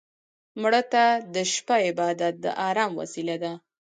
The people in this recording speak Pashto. مړه ته د شپه عبادت د ارام وسيله ده